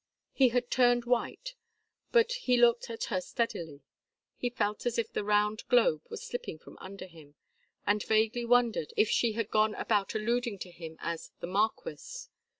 He had turned white, but he looked at her steadily. He felt as if the round globe were slipping from under him; and vaguely wondered if she had gone about alluding to him as "the marquess."